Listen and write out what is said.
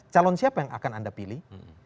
calon siapa yang akan anda pilih